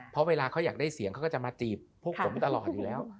เพราะเวลาเขาอยากได้เสียงเขาก็จะมาจีบพวกผมตลอดอยู่แล้ว